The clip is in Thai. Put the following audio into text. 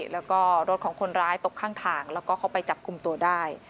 แล้วก็รถของคนร้ายตกข้างทางแล้วก็เข้าไปจับกลุ่มตัวได้